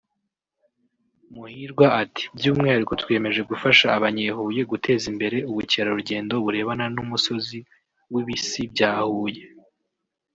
Muhirwa ati “By’umwihariko twiyemeje gufasha abanyehuye guteza imbere ubukerarugendo burebana n’umusozi w’ibisi bya Huye